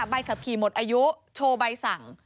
ใบขับขี่หมดอายุโชว์ใบสั่ง